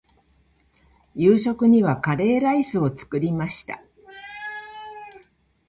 夕食にはカレーライスを作りました。